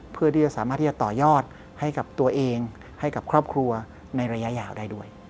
เพื่อที่จะสามารถที่จะต่อยอดให้กับตัวเองให้กับครอบครัวในระยะยาวได้ด้วย